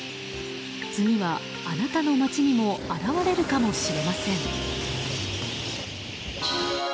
次はあなたの街にも現れるかもしれません。